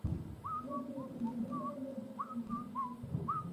هغوی په یو هنري ډول یو بل ته نږدې پرېوتې